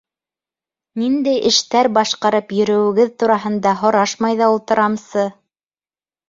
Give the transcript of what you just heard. Ниндәй эштәр башҡарып йөрөүегеҙ тураһында һорашмай ҙа ултырамсы...